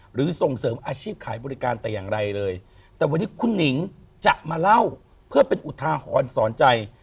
หรือส่งเสริมอาชีพขายบริการแต่อย่างไรเลยแต่วันนี้คุณหนิงจะมาเล่าเพื่อเป็นอุทาหรณ์สอนใจ